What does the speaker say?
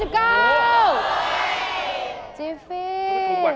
ถูกกว่ากันเยอะเลยอ่ะจิฟรี